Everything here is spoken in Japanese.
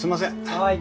・はい。